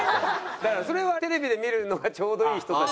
だからそれはテレビで見るのがちょうどいい人たち。